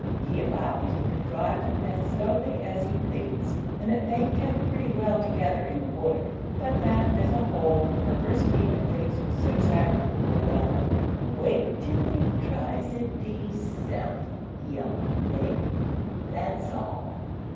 He allowed that he could drive them as slowly as he pleased, and that they kept pretty well together in the wood; but that, as a whole, the perversity of pigs was such that— "Well, wait till ee tries it theeself, Jan Lake, that's aal."